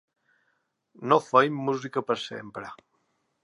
No fem música per sempre.